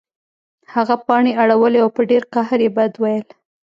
هغه پاڼې اړولې او په ډیر قهر یې بد ویل